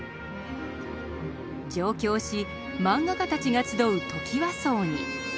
上京しマンガ家たちが集うトキワ荘に。